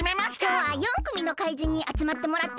きょうは４くみの怪人にあつまってもらってます！